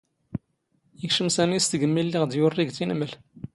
ⵉⴽⵛⵎ ⵙⴰⵎⵉ ⵙ ⵜⴳⵎⵎⵉ ⵍⵍⵉⵖ ⴷ ⵢⵓⵔⵔⵉ ⴳ ⵜⵉⵏⵎⵍ.